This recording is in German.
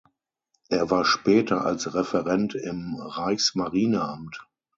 Er war später als Referent im Reichsmarineamt.